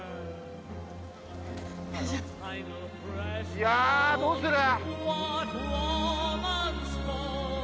いやどうする？